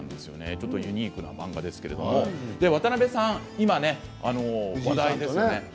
ちょっとユニークな漫画ですけども、渡辺さん、今話題ですよね。